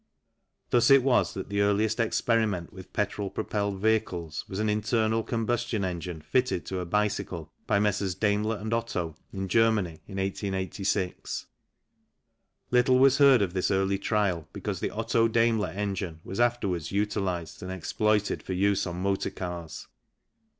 Thus it was that the earliest experiment with petrol propelled vehicles was an internal combustion engine fitted to a bicycle by Messrs. Daimler and Otto, in Germany, in 1886. Little was heard of this early trial because the Otto Daimler engine was afterwards utilized and exploited for use on motor cars.